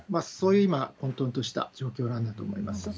そういう今、混とんとした状況なんだと思います。